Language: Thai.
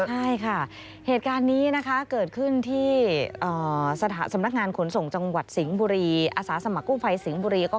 ใช่ค่ะเหตุการณ์นี้เกิดขึ้นที่สำนักงานขนส่งจังหวัดสิงบุรี